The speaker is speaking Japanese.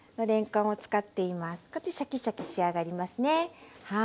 こっちシャキシャキ仕上がりますね。